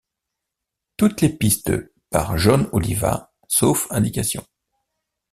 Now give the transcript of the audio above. Toutes les pistes par Jon Oliva, sauf indication.